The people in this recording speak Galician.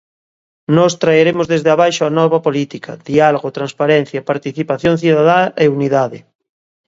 Nós traeremos desde abaixo a nova política: diálogo, transparencia, participación cidadá e unidade.